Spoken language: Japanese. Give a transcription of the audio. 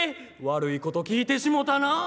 「悪いこと聞いてしもたなあ。